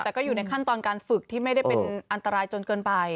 แต่ก็อยู่ในขั้นตอนการฝึกที่ไม่ได้เป็นอันตรายจนเกินไป